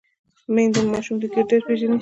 میندې د ماشوم د ګیډې درد پېژني۔